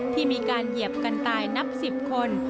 ที่มีการเหยียบกันตายนับ๑๐คน